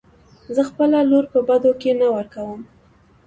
زه خپله لور په بدو کې نه ورکم .